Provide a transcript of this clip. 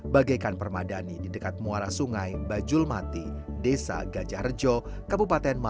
bagaikan permadani di dekat muara sungai bajulmati desa gajahrejo kabupaten malang jawa timur